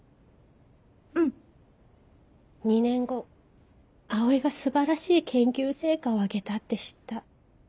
うん２年後葵が素晴らしい研究成果を挙げたって知った。